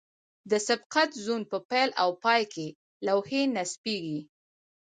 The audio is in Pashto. د سبقت زون په پیل او پای کې لوحې نصبیږي